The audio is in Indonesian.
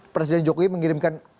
presiden jokowi mengirimkan